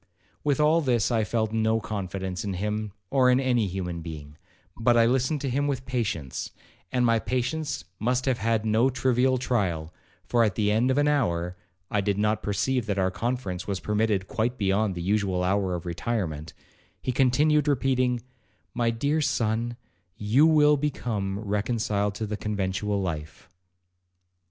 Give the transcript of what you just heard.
With all this I felt no confidence in him, or in any human being; but I listened to him with patience, and my patience must have had no trivial trial, for, at the end of an hour, (I did not perceive that our conference was permitted quite beyond the usual hour of retirement), he continued repeating, 'My dear son, you will become reconciled to the conventual life.'